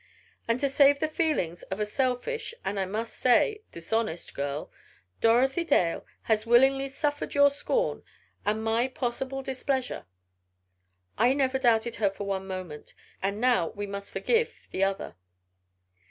And to save the feelings of a selfish and I must say it dishonest girl, Dorothy Dale has willingly suffered your scorn and my possible displeasure. But I never doubted her for one moment. And now we must forgive the other."